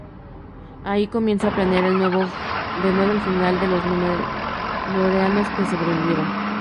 Ahí comienza a planear de nuevo el final de los Númenóreanos que sobrevivieron.